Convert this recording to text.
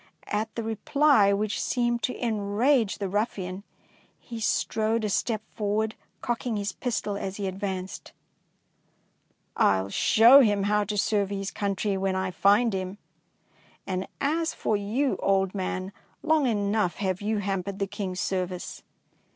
At the reply, which seemed to enrage the ruffian, he strode a step forward, cocking his pistol as he advanced. "141 show him how to serve his country when I find him, and as for you, old man, long enough have you hampered the King's service."